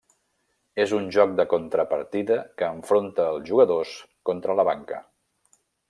És un joc de contrapartida que enfronta els jugadors contra la banca.